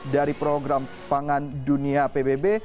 dari program pangan dunia pbb